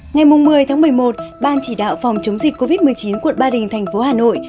ngày một mươi một mươi một ban chỉ đạo phòng chống dịch covid một mươi chín quận ba đình thành phố hà nội